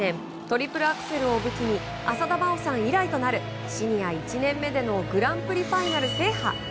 トリプルアクセルを武器に浅田真央さん以来となるシニア１年目でのグランプリファイナル制覇。